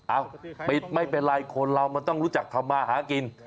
ปิดไม่เป็นไรคนเรามันต้องรู้จักทำมาหากิน